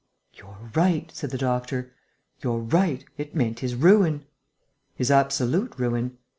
"You're right," said the doctor, "you're right.... It meant his ruin." "His absolute ruin.